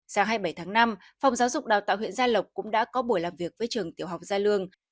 sáng hai mươi bảy tháng năm phòng giáo dục đào tạo huyện gia lộc cũng đã có buổi làm việc với trường tiểu học gia lương